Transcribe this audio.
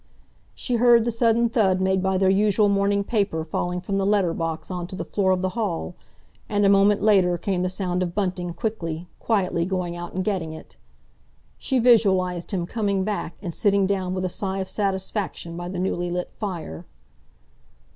She heard the sudden thud made by their usual morning paper falling from the letter box on to the floor of the hall, and a moment later came the sound of Bunting quickly, quietly going out and getting it. She visualised him coming back, and sitting down with a sigh of satisfaction by the newly lit fire.